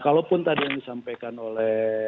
kalaupun tadi yang disampaikan oleh